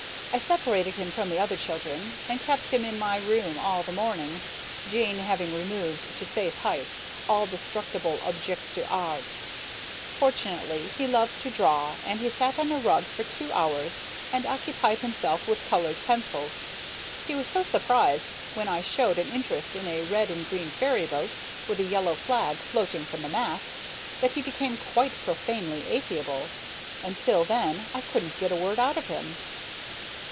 I separated him from the other children, and kept him in my room all the morning, Jane having removed to safe heights all destructible OBJETS D'ART. Fortunately, he loves to draw, and he sat on a rug for two hours, and occupied himself with colored pencils. He was so surprised when I showed an interest in a red and green ferryboat, with a yellow flag floating from the mast, that he became quite profanely affable. Until then I couldn't get a word out of him.